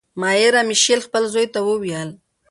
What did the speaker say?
مایر امشیل خپل زوی ته وویل.